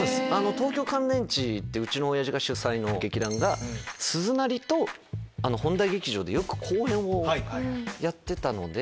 東京乾電池ってうちのおやじが主宰の劇団がスズナリと本多劇場でよく公演をやってたので。